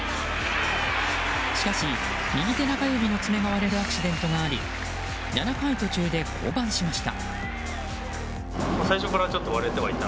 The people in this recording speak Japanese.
しかし、右手中指の爪が割れるアクシデントがあり７回途中で降板しました。